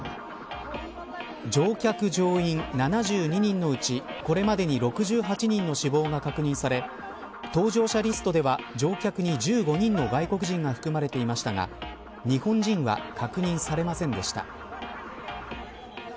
乗客・乗員７２人のうちこれまでに６８人の死亡が確認され搭乗者リストでは乗客に１５人の外国人が含まれていましたが日本人は確認されませんでした。